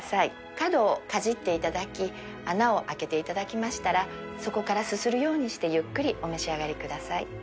角をかじっていただき穴を開けていただきましたらそこからすするようにしてゆっくりお召し上がりください。